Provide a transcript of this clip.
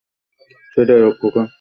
সেটাই হোক, খোকা।